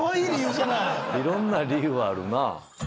いろんな理由あるな。